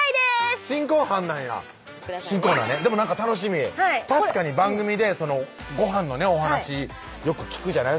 なんや新コーナーねでもなんか楽しみ確かに番組でごはんのお話よく聞くじゃない？